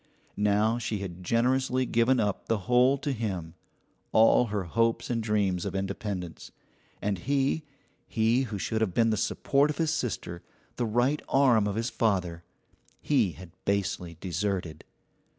Now she had generously given up the whole to him, all her hopes and dreams of independence; and he he who should have been the support of his sister, the right arm of his father he had basely deserted.